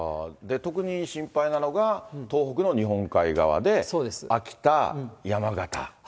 特に心配なのが、東北の日本海側で、秋田、山形。